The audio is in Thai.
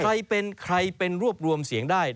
ใครเป็นใครเป็นรวบรวมเสียงได้